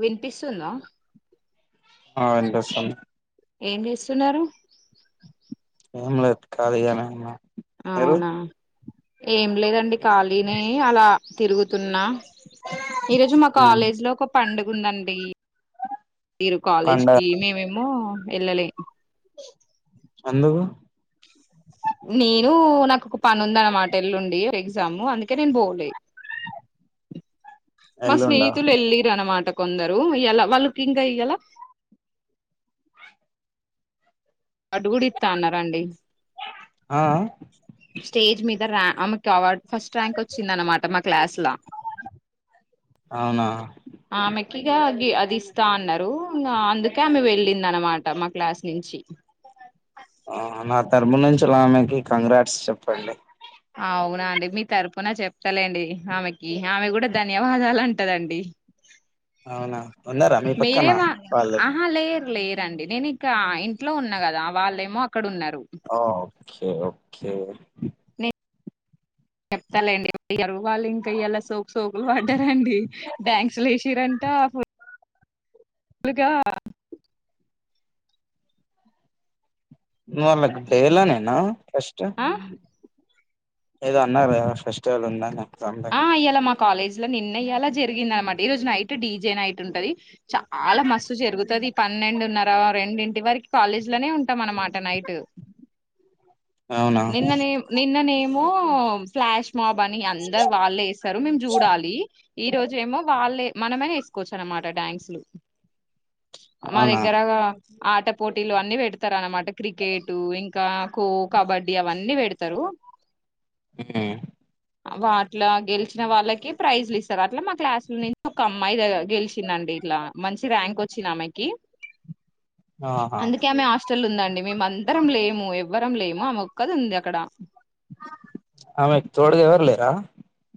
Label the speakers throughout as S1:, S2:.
S1: వినిపిస్తుందా
S2: ఆ వినిపిస్తుంది
S1: ఏం చేస్తున్నారు
S2: ఏం లేదు కలిగానే ఉన్న
S1: అవునా ఏం లేదండి ఖాళీనే అలా తిరుగుతున్నా ఈరోజు మా కాలేజీ లో ఒక పండుగ ఉందండి ఈరోజు
S2: పండగ
S1: కాలేజ్కి మేమేమో వెళ్ళలే
S2: ఎందుకు
S1: నేను నాకు ఒక పని ఉంద అన్నమాట ఎల్లుండి ఎగ్జామ్ అందుకే నేను పోలే మా
S2: ఎల్లుండా
S1: స్నేహితులు ఎల్లిరు అన్నమాట కొందరు ఇ ఎలా వాళ్ళుకి ఇంకా ఇయ్యాల అడుగుడు ఇస్తా అన్నారండి
S2: ఆ
S1: స్టేజ్ మీద రా ఆమెకి అవార్డ్ ఫస్ట్ ర్యాంక్ వచ్చింద అనమాట మా క్లాస్ల
S2: అవునా
S1: ఆమెకిగా అద్ అది ఇస్తా అన్నారు ఇగా అందుకే ఆమె వెళ్ళిందనమాట మా క్లాస్ నుంచి చి
S2: ఆ నా తరపునా నుంచి అలామెకి కంగ్రాట్స్ చెప్పండి
S1: అవునా అండి మీ తరఫున చెప్తలేండి ఆమెకి ఆమె కూడా ధన్యవాదాలు అంటదండి
S2: అవునా ఉన్నారా మీ పక్కన
S1: మీరే మా
S2: వాళ్ళు
S1: ఆహా లే లేరండి నేను ఇక ఇంట్లో ఉన్నా కదా వాళ్ళేమో అక్కడ ఉన్నారు
S2: ఆ ఓకే ఓకే
S1: నెన్ సలే అండి [unintelligible] వాళ్ళు ఇంకా ఇయ్యలా సోకు సోకులు పడ్డారండి డ్యాంక్స్లు వేసిరంట ఫుల్గా
S2: మాళ్ళకి డే లో నేేనా ఫెస్ట్
S1: ఆ
S2: ఏదో అన్నారు కదా ఫెస్టివల్ ఉందని చొప్పి అందుకీ
S1: కాలేజ్ లో నిన్న ఇయాలా జరిగింది అనమాట ఈ రోజు నైట్ డీజే నైట్ ఉంటది చాలా మస్తు జరుగుతాది పన్నెండున్నర రెండింటి వరకు కాలేజ్ లోనే ఉంటాం అన్నమాట నైట్
S2: అవునా
S1: నిన్న నేమ్ నిన్న నేమో ఫ్లాష్ మాబ్ అని అందరు వాళ్ళే చేస్తారు మేము చూడాలి ఈ రోజు ఏమో వాళ్ళే మనమే ఎసుకోవచ్చు అనమాట డ్యాన్స్లు మా
S2: అవునా
S1: దగ్గరగా ఆట పోటీలు అన్ని పెడతారనమాట క్రికెట్ ఇంకా ఖోక్ కబడ్డీ అవన్నీ పెడతారు.
S2: ఉమ్ హు
S1: వాట్ల గెలిచిన వాళ్ళకి ప్రైజ్లు ఇస్తారు అట్లా మా క్లాసుల నుంచి ఒక అమ్మాయి గెలిచిందండి ఇట్లా మంచి ర్యాంక్ వచ్చింది ఆమెకి
S2: [unintelligible] ఆహా
S1: అందుకే ఆమె హాస్టల్ ఉందండి మేము అందరం లేము ఎవ్వరం లేము మామే ఒక్కది ఉంది అక్కడ
S2: ఆమెక్ తోడ్గా ఎవర్ లేరా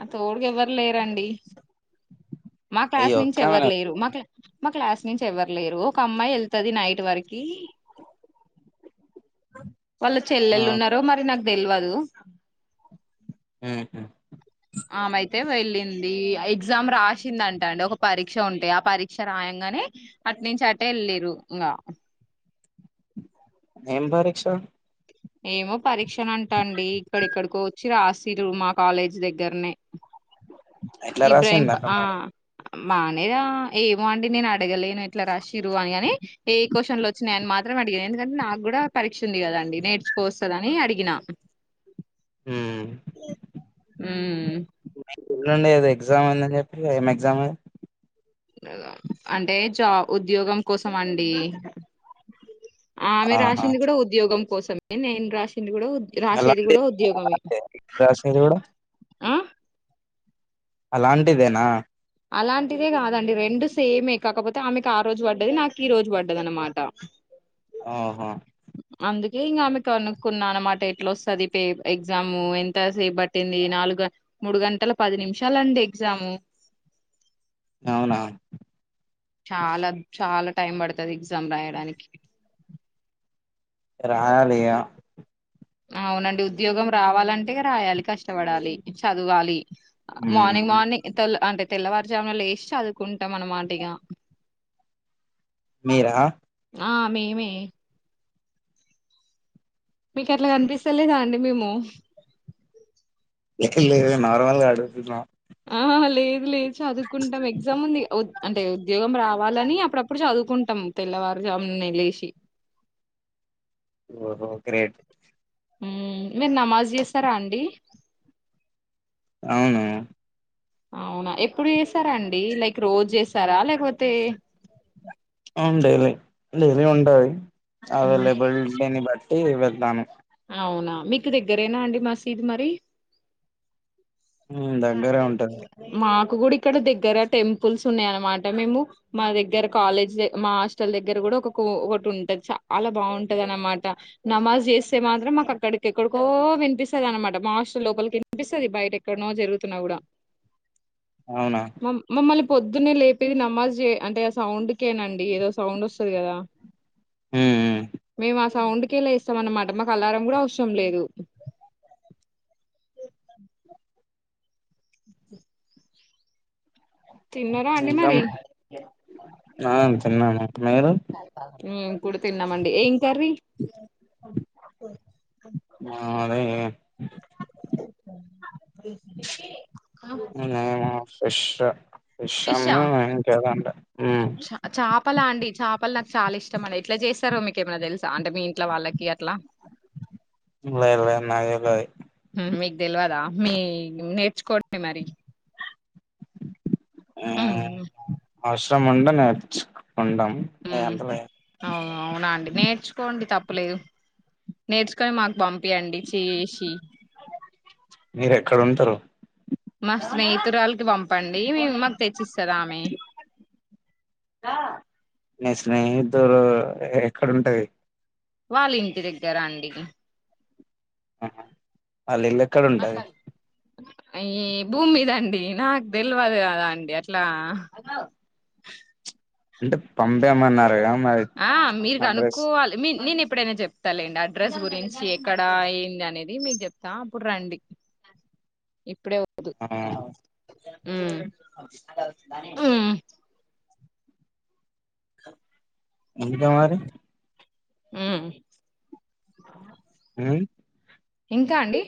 S1: ఆ తోడుగా ఎవ్వరు లేరండి మా క్లాస్
S2: అయ్యో
S1: నుంచి ఎవరు
S2: ఒక్కమేనా
S1: లేరు మా క్లా మా క్లాస్ నుంచి ఎవ్వరలేరు ఒక అమ్మాయి వెళ్తది నైట్ వరకి వాళ్ళ
S2: ఆ
S1: చెల్లెళు ఉన్నారో మరి నాకు తెల్వదు
S2: హాయ్ ఫ్రెండ్స్
S1: ఆమెయితే వెళ్ళింది ఎగ్జామ్ రాసిందంటా అండి ఒక పరీక్ష ఉండే ఆ పరీక్ష రాయంగా నే అట్ నుంచి అటే వెళ్ళిండ్రు ఇగా
S2: ఎం పరిక్ష
S1: ఏమో పరీక్ష అంటా అండి ఇక్కడక్కడికో చి రాశిరు మా కాలేజ్ దగ్గరనే
S2: ఎట్లా
S1: ఇబ్రాహిం
S2: రాసిందట
S1: ఆ
S2: మరి
S1: మానేద ఏమో అండి నేను అడగలేను ఇట్లా రాశిరు అనిగాని ఏ క్వశ్చన్ లో వచ్చినా ఆయన మాత్రం అడిగాను ఎందుకంటే నాకు కూడా పరీక్ష ఉంది కదాండి నేర్చుకో వస్తుంది అని అడిగిన
S2: [unintelligible] మ్మ్
S1: ఉమ్
S2: ఎల్లుండి ఏది ఎగ్జామ్ ఉందని చెప్పిరు ఏం ఎగ్జామ్ అది
S1: అంటే జా ఉద్యోగం కోసం అండి ఆమె
S2: ఆహా
S1: రాసింది కూడా ఉద్యోగం కోసమే నేను రాసింది కూడా రాశేది
S2: అలాంటి
S1: కూడా ఉద్యోగమే
S2: రాసేది కూడా
S1: ఆ
S2: అలాంటిదేనా
S1: అలాంటిదే కాదండి రెండు సేమే కాకపోతే ఆమెకు ఆ రోజు పడ్డది నాకు ఈ రోజు పడ్డది అనమాట
S2: ఆహా
S1: అందుకే ఇంకామె కనుక్కున్నా అనమాట ఎట్లా వస్తుంది పే ఎగ్జాము ఎంత సేపు పట్టింది నాలుగు మూడు గంటల పది నిమిషాలండి ఎగ్జాము
S2: అవునా
S1: చాలా చాలా టైం పడుతుది ఎగ్జామ్ రాయడానికి
S2: రాయాలి ఇగ
S1: అవునండి ఉద్యోగం రావాలంటే రాయాలి కష్టపడాలి చదవాలి మార్నింగ్
S2: మ్మ్
S1: మార్నింగ్ తల్లు అంటే తెల్లవారుజామున లేసి చదువుకుంటాం అనమాటిగా
S2: మీరా
S1: ఆ మేమే మీకట్లా కనిపిస్తలేదా అండి మేము
S2: లేదు నార్మల్గా అడుగుతున
S1: ఆ లేదు లేదు చదువుకుంటాం ఎగ్జామ్ ఉంది అంటే ఉద్యోగం రావాలని అప్పుడప్పుడు చదువుకుంటా తెల్లవారు జామున లేసి
S2: ఓహో గ్రేట్
S1: మీరు నమాజ్ చేస్తారా అండి
S2: అవును
S1: అవునా ఎప్పుడు చేసారా అండి లైక్ రోజు చేసారా లేకపోతే
S2: ఆ డైలీ డైలీ ఉంటది
S1: మ్మ్
S2: అవైలబిలిటీని బట్టి వెతాను
S1: అవునా మీకు దగ్గరేనా అండి మసీదు మరి
S2: మ్మ్ దగ్గరే ఉంటది
S1: మా కూడా ఇక్కడ దగ్గర టెంపుల్స్ ఉన్నాయ అనమాట మేము మా దగ్గర కాలేజ్ మా హాస్టల్ దగ్గర కూడా ఒకటి ఉంటది చాలా బాగుంటది అనమాట నమాజ్ చేస్తే మాత్రం మాకు అక్కడికిక్కడికో ఓ వినిపిస్తుంది అనమాట మా హస్టల్ లోపలికి వినిపిస్తుంది బయట ఎక్కడనో జరుగుతుంది న్నా కూడా
S2: అవునా
S1: మ మమ్మల్ని పొద్దునే లేపేది నమాజ్ అంటే ఆ సౌండ్కేనండి ఏదో సౌండ్ వస్తుంది కదా
S2: మ్మ్ మ్మ్
S1: మేము ఆ సౌండ్కికే లేస్తాం అన్నమాట మాకు అలారం కూడా అవసరం లేదు
S2: [inaudible]
S1: తిన్నారా అండి
S2: ఇక
S1: మరి
S2: ఆ [inaudible] మీరు
S1: కూడు తిన్నామండి ఏం కర్రి [inaudible]
S2: అ అదే
S1: ఆ
S2: విషా విష్ అన్నా ఇంకేది అంట ఉ
S1: చపలా అండి చాపలు నాకు చాలా ఇష్టం అండి ఇట్లా చేస్తారో మీకేమైనా తెలుసా అంటే మీ ఇంట్ల వాళ్ళకి అట్లా
S2: లేదు లేదు నాకు తెలువది
S1: మీకు తెలువదా మీ నేర్చుకోండి మరి
S2: ఆ
S1: ఉమ్,
S2: అవసరం ఉంటే నేర్చు
S1: ఉ అవు అవునా అండి నేర్చుకోండి తప్పు తులేదు నేర్చుకొని మాకు పంపియండి చేసి
S2: మీరు ఎక్కడ ఉంటారు
S1: మా స్నేహితురాలకి పంపండి మ మాకు తెచ్చిస్తాది ఆమె దా
S2: ని స్నేహితురాలు ఎక్కడ ఉంటది
S1: వాళ్ళ ఇంటి దగ్గర అండి
S2: ఆహ వాళ్ళ ఇళ్ళు ఎక్కడ ఉంటది
S1: ఈ భూమి మీద అండి నాకు తెలివదు కదా అండి అట్లా
S2: అంటే పంపేమన్నారుగా
S1: ఆ మీరు కనుక్కోవాలి మీ నేను ఇపు ఎప్పుడైనా చెప్తా లేండి అడ్రస్ గురించి ఎక్కడ ఏంది అనేది మీకు చెప్తా అప్పుడు రండి ఇప్పుడే ఓ వద్దు
S2: ఆ,
S1: ఉ ఉ [inaudible]
S2: ఇంకా మరి
S1: ఉ ఆహా
S2: ఉ
S1: ఇంకా అండి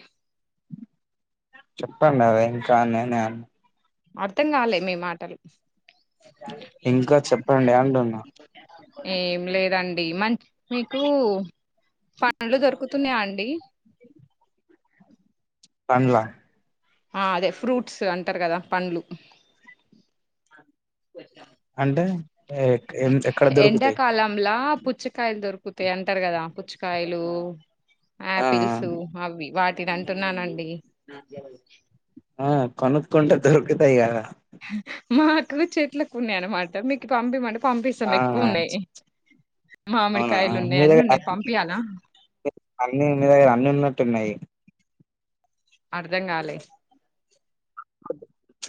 S2: చెప్తాండవే ఇంకా నేనే అని
S1: అర్థం కాలే మీ మాటలు
S2: ఇంకా చెప్పండి అంటున్నా
S1: ఏం లేదండి మంచు మీకు పండ్లు దొరుకుతున్నాయా అండి
S2: [inaudible] పండ్ల ఆ
S1: ఆ అదే ఫ్రూట్స్ అంటారు కదా పండ్లు
S2: అంటే ఏత్
S1: ఎండాకాలం లా పుచ్చకాయలు దొరుకుతాయి అంటారు కదా పుచ్చికాయలు
S2: ఆ
S1: ఆపిల్స్ అవి వాటిని అంటున్నానండి
S2: ఆ కొనుక్కుంటే దొరుకుతాయి కదా
S1: మాకు చెట్లకు ఉన్నాయి అన్నమాట మీకు పంపిమంటే పంపిస్తాం ఎక్కువ
S2: ఆచు
S1: ఉన్నాయి
S2: అవునా
S1: మామిడికాయలు ఉన్నాయి
S2: మీ
S1: అన్ని
S2: దగ్గర
S1: ఉన్నాయి పంపియాలా
S2: అన్ని మీ దగ్గర అన్ని ఉన్న టున్నాయి
S1: అర్ధం కాలే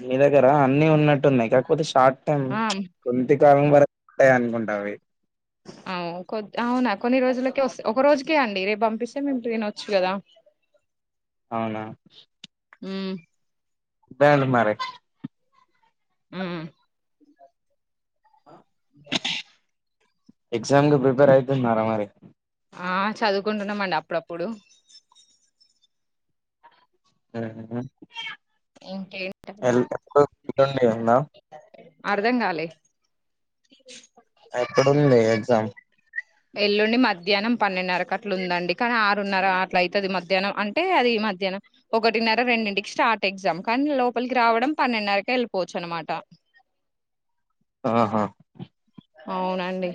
S2: మీ దగ్గర అన్ని ఉన్నట్టు ఉన్నాయి కాకపోతే షార్ట్ టైమ్
S1: ఆ
S2: కొనిటిక్ కారున్ వరకు వస్తాయ్ అనుకుంటా అవి
S1: అవు కొద్ అవునా కొన్ని రోజులకే వస్తాయి ఒక రోజుకే అండి రేపు పంపిస్తే మేము ట్రైన్ వచ్చు కదా
S2: అవునా
S1: ఉ
S2: బ్యాండ్ మరి
S1: ఉ ఉ
S2: ఎగ్జామ్ కు ప్రిపేర్ అయితున్నారా మరి
S1: ఆ చదువుకుంటున్నామండి అప్పుడప్పుడు
S2: ఉహూ
S1: ఇంకేంటండి
S2: హెల్త్ [inaudible] ఎన్నా
S1: అర్ధం కాలే
S2: ఎప్పుడూ ఉంది ఎగ్జామ్
S1: ఎల్లుండి మధ్యాహ్నం పన్నెండున్నర కట్లు ఉందండి. కానీ ఆరున్నర అల అయితది మధ్యాహ్నం అంటే అది మధ్యాహ్నం. ఒకటిన్నర రెండింటికి స్టార్ట్ ఎగ్జామ్ కానీ లోపలికి రావడం పన్నెండున్నరకే వెళ్ళిపోవచ్చు అనమాట.
S2: ఆహా
S1: అవునండి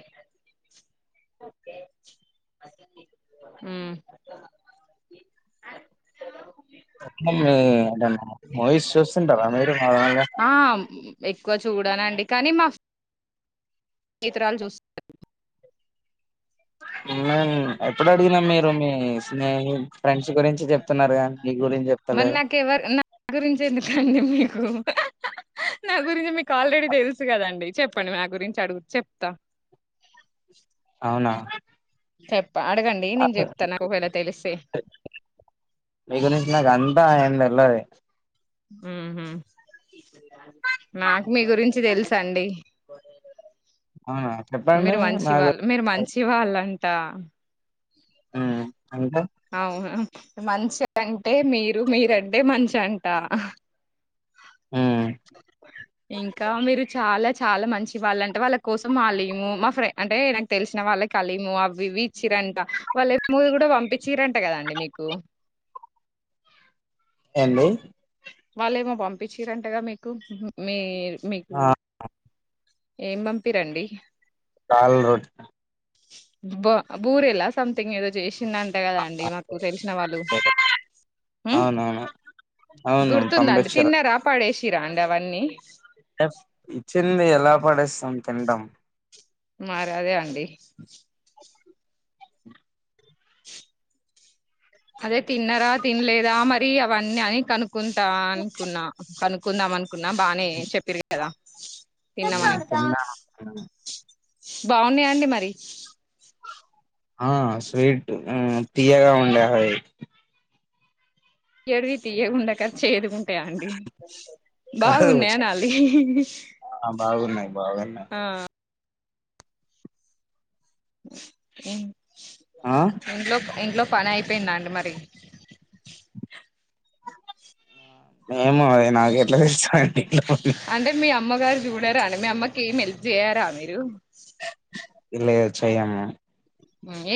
S1: ఉమ్
S2: [inaudible] మూవీస్ చూస్తుంటారా మీరు నార్మల్ గా
S1: ఆ ఎక్కువ చూడనండి కానీ మాక్ స్నేహితురాలు చూస్
S2: మేన్ ఎప్పుడు అడిగినా మీరు మీ స్నేహి ఫ్రెండ్స్ గురించి చెప్తున్నారు, కానీ మీ గురించి
S1: మరి
S2: చెప్తాలేరు.
S1: నాకెవరు నా గురించి ఎందుకండి మీకు నా గురించి మీకు ఆల్రెడీ తెలుసు కదండి. చెప్పండి నా గురించి అడుగు చెప్తా.
S2: అవునా
S1: చెప్ప అడగండి నేను చెప్తాను, నాకు ఒకవేళ తెలిస్తే.
S2: మీ గురించి నాగ అంతా ఎమ్ తెల్వదు
S1: ఉమ్ హు నాకు మీ గురించి తెలుస్ అండి.
S2: అవునా చెప్పండి
S1: మీరు మంచి
S2: నాకు
S1: వాళ్ళు, మీరు మంచి వాళ్ళంట్ ట
S2: హ్మ్ అంటే
S1: అవున మంచ్ అంటే మీరు, మీరంటే మంచ్ అంట.
S2: హ్మ్
S1: ఇంకా, మీరు చాలా చిన్ చాలా మంచి వాళ్ళంట, వాళ్ళ కోసం వల్లే మా ఫ్రెండ్ అంటే ఈయనకి తెలిసిన వాళ్ళకి హలిము అవి ఇవి ఇచ్చిరంట వాళ్ళ ఏము కూడా పంపించిరట్, అంట కదాండి మీకు
S2: ఎండి
S1: వాళ్ళేమో పంపించరంటగా, మీకు మీ మీకు
S2: ఆ
S1: ఏం పంపి రండి
S2: దాల్ రొట్ట్
S1: బా బూరెలా సథింగ్ ఏదో జేష్ చిన్నంట కదా అండి, మాకు తెలిసిన వాళ్ళు, ఉమ్
S2: అవునవును అవును
S1: గుర్తుందండి
S2: పంపించారు
S1: తిన్నరా పాడేసిరా అండి అవన్నీ
S2: ఇచ్చింది ఎలా పడేస్తాం తిన్నటం
S1: మరి అదే అండి అదే తిన్నరా తినలేదా, మరి అవన్నీ అని కనుక్. కుంటా అనుకున్నా అనుకుందాం అన్ కున్నా బాగానే చెప్పిరు కదా తిన్నామని.
S2: హ్మ్ తిన్నాను
S1: బాగున్నాయండి మరి
S2: ఆ స్వీట్ తీయగా ఉండే హాయ్
S1: ఎడువి తీయకుండా చెడుగుంట్ ట్ట అండి
S2: కాదు
S1: బాగున్నాయి అనాలి
S2: బాగున్న
S1: ఆ
S2: ఆ
S1: ఇంట్లో, ఇంట్లో పని అయిపోయిందండి మరి
S2: ఏమో అది నాకు ఎట్లా తెస్తాండి ఇంట్
S1: అమ్మ గారు చూడారని మ మీ అమ్మకి ఏమి హెల్ చేయారా మీరు
S2: లేదు చెయ్యను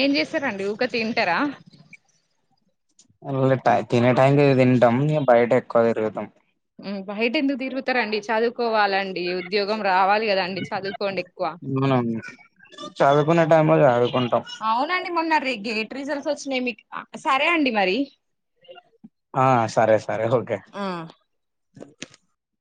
S1: ఏం చేస్తారాండి ఊకె తింటారా
S2: తినే టైం తింటాం, ఇక బయట ఎక్కువ తిరుగుతాం
S1: బయట ఎందుకు తిరుగుతారండి చదువుకోవాలండి ఉద్యోగం రావాల కదండి చదువుకోండి ఎక్కువ
S2: మనం చదువుకునే టైం లో చదువు
S1: అవునండి మొన్న రే గేట్ రిజల్ట్స్ వచ్చినాయి మీకు సరే అండి మరి
S2: ఆ సరే సరే ఓకే
S1: అ